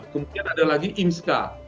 kemudian ada lagi imska